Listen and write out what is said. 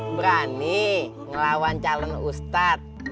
berani ngelawan calon ustad